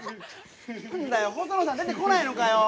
何だよ細野さん出てこないのかよ。